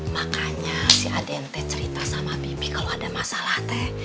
makanya si adente cerita sama bibi kalau ada masalah dek